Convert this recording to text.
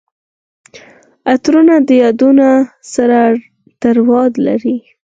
عطرونه د یادونو سره تړاو لري.